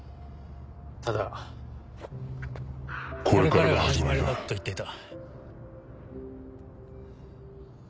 ただ「これからが始まりだ」と言っていた。